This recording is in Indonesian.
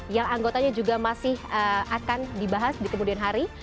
yang anggotanya juga masih akan dibahas di kemudian hari